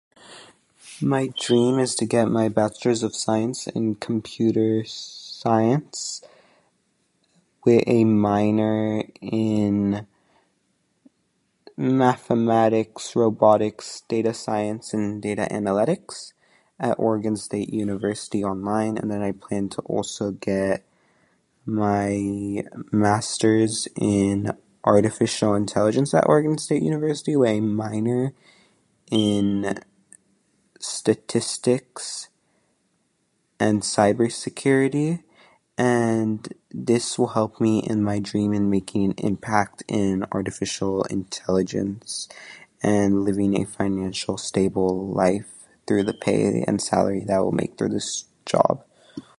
My dream is to get my Bachelor's of Science in Computer Science, with a minor in mathematics, robotics, data science, and data analytics at Oregon State University online. And then I plan to also get my Master's in Artificial Intelligence at Oregon State University with a minor in statistics and cyber security. And this will help me in my dream in making an impact in artificial intelligence, and living a financial stable life through the pay and salary that I will make through this job.